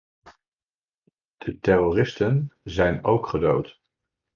De terroristen zijn ook gedood.